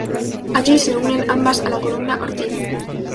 Allí se unen ambas a la columna Ortíz.